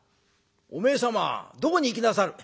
「おめえ様どこに行きなさる？」。